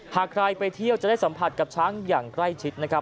หากใครไปเที่ยวจะได้สัมผัสกับช้างอย่างใกล้ชิดนะครับ